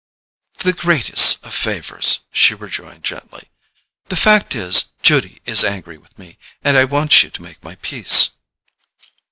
"The greatest of favours," she rejoined gently. "The fact is, Judy is angry with me, and I want you to make my peace."